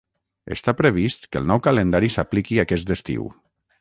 Està previst que el nou calendari s'apliqui aquest estiu.